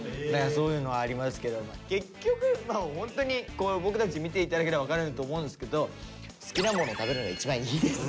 そういうのありますけど結局ホントにこう僕たち見て頂ければ分かると思うんですけど好きなもの食べるのが一番いいです。